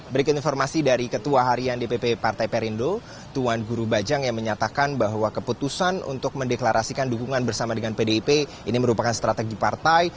berikut informasi dari ketua harian dpp partai perindo tuan guru bajang yang menyatakan bahwa keputusan untuk mendeklarasikan dukungan bersama dengan pdip ini merupakan strategi partai